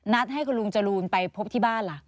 ให้คุณลุงจรูนไปพบที่บ้านล่ะ